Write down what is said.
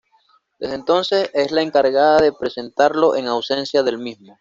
Desde entonces es la encargada de presentarlo en ausencia del mismo.